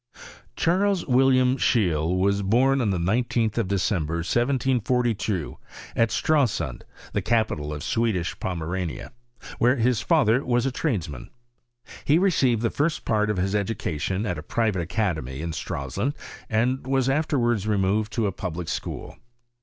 Charles William Scheeie was born on the 19ti of December, 1742, at StraUund, the capital o( Swedish Pomerania, where his father was a tradn mHn. He received the first part of his education at a private academy in Stralsund, and was Os walds removed to a public school.